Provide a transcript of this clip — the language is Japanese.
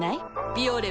「ビオレ」